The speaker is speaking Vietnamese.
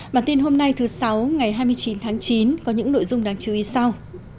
bản tin hôm nay thứ sáu ngày hai mươi chín tháng chín có những nội dung đáng chú ý sau